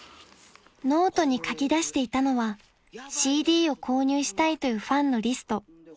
［ノートに書き出していたのはＣＤを購入したいというファンのリスト］